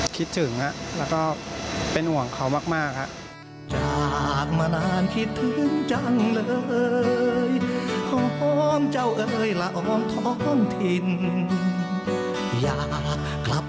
คิดถึงแล้วก็เป็นห่วงเขามากครับ